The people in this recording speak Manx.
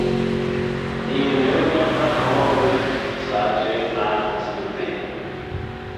Nee yn irriney ta cummal aynin solshean magh ayns nyn mea.